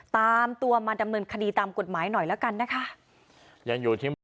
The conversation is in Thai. ตามตัวมาดำเนินคดีตามกฎหมายหน่อยแล้วกันนะคะ